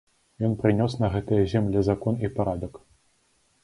Ён прынёс на гэтыя землі закон і парадак.